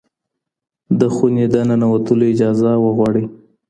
د خونې د ننوتلو اجازه وغواړئ.